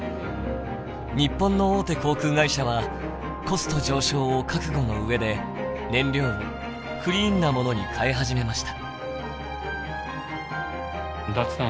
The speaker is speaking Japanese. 日本の大手航空会社はコスト上昇を覚悟の上で燃料をクリーンなものに替え始めました。